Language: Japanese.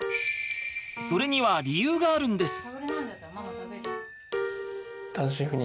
それには理由があるんです。